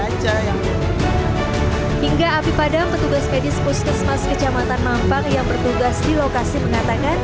aja yang hingga api padam petugas medis puskesmas kecamatan mampang yang bertugas di lokasi mengatakan